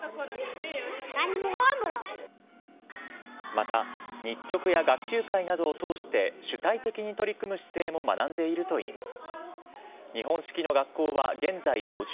また、日直や学級会などを通して、主体的に取り組む姿勢も学んでいるといいます。